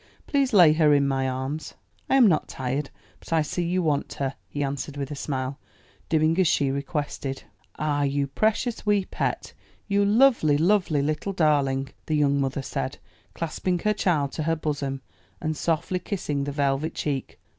Please lay her in my arms." "I am not tired, but I see you want her," he answered with a smile, doing as she requested. "Ah, you precious wee pet! you lovely, lovely little darling!" the young mother said, clasping her child to her bosom, and softly kissing the velvet cheek.